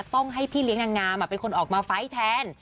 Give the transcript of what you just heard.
ต้องให้พี่เลี้ยงนางงามเป็นคนออกมาไฟล์แทน